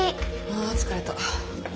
あ疲れた。